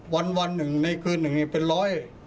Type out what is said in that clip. วันหนึ่งในคืนนึงเป็นร้อย